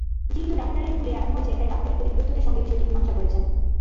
যেহেতু ডাক্তারের ভুলে এমন হয়েছে তাই ডাক্তারই ক্ষতিগ্রস্তদের সঙ্গে বিষয়টি মীমাংসা করেছেন।